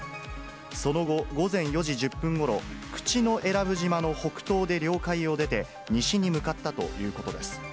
その後、午前４時１０分ごろ、口永良部島の北東で領海を出て、西に向かったということです。